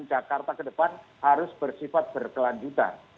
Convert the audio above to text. jakarta ke depan harus bersifat berkelanjutan